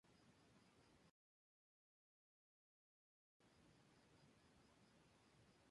Más tarde en la final, Pumas perdería el campeonato ante Tigres.